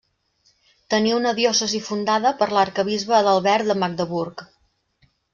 Tenia una diòcesi fundada per l'arquebisbe Adalbert de Magdeburg.